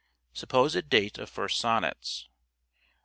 Supposed date of first sonnets.